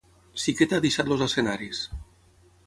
Siketa ha deixat els escenaris.